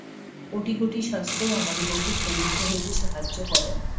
কোটি কোটি শাস্ত্রও আমাদিগকে পবিত্র হইতে সাহায্য করে না।